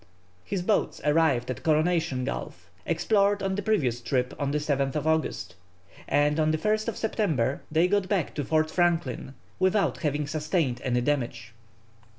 His boats arrived at Coronation Gulf, explored on the previous trip, on the 7th August; and on the 1st September they got back to Fort Franklin, without having sustained any damage.